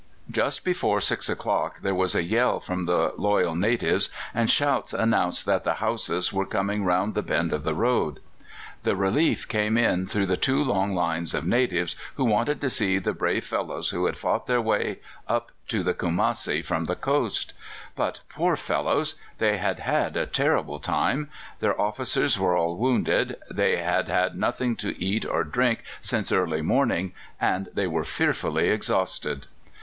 Just before six o'clock there was a yell from the loyal natives, and shouts announced that the Hausas were coming round the bend of the road. The relief came in through two long lines of natives, who wanted to see the brave fellows who had fought their way up to Kumassi from the coast. But, poor fellows! they had had a terrible time: their officers were all wounded; they had had nothing to eat or drink since early morning, and they were fearfully exhausted.